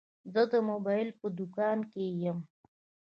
زه د موبایل په دوکان کي یم.